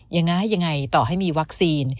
ยังไงต่อให้มีวัคซีน